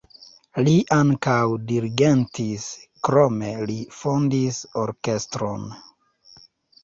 Li ankaŭ dirigentis, krome li fondis orkestron.